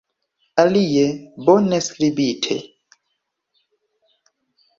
Alie, bone skribite!